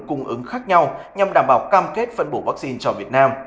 cung ứng khác nhau nhằm đảm bảo cam kết phân bổ vaccine cho việt nam